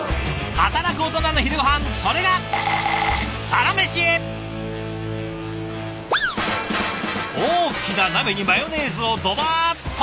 働くオトナの昼ごはんそれが大きな鍋にマヨネーズをドバーッと。